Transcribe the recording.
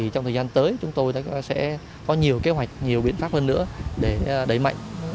trong thời gian tới chúng tôi sẽ có nhiều kế hoạch nhiều biện pháp hơn nữa để đẩy mạnh